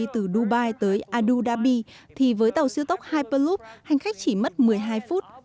từ dubai tới adu dhabi thì với tàu siêu tốc hyperloop hành khách chỉ mất một mươi hai phút